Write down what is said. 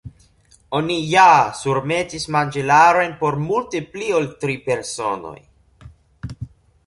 "Oni ja surmetis manĝilarojn por multe pli ol tri personoj."